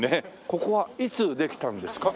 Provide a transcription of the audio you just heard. ここはいつできたんですか？